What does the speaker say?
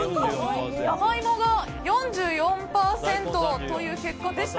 山芋が４４％という結果でした。